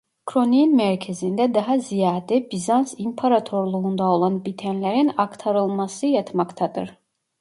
Kroniğin merkezinde daha ziyade Bizans İmparatorluğu'nda olan bitenlerin aktarılması yatmaktadır.